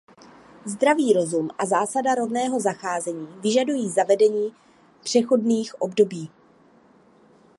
Zdravý rozum a zásada rovného zacházení vyžadují zavedení přechodných období.